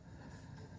dan bagaimana prosesnya